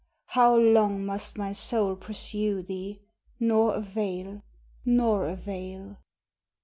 How long must my soul pursue thee, Nor avail, nor avail?